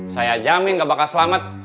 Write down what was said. saya jamin gak bakal selamat